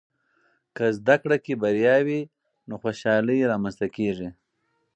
که زده کړه کې بریا وي، نو خوشحالۍ رامنځته کېږي.